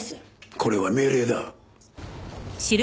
これは命令だ。